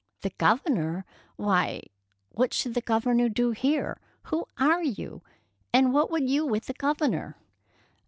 ^'" The Governor ! why, what should the Governor do here? Who are you, and what would you with the Governor?"